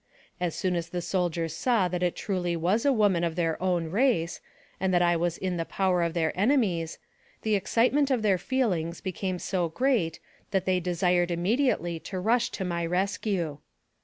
As soon as the soldiers saw that it truly was a woman of their own race, and that I was in the power of their enemies, the excitement of their feelings became so great that they desired immediately to rush to my rescue.